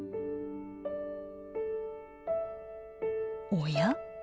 おや？